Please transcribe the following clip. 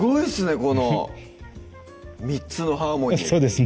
この３つのハーモニーそうですね